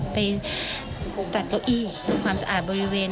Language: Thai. ไปตัดเก้าอี้ทำความสะอาดบริเวณ